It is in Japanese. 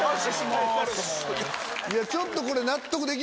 いやちょっとこれ。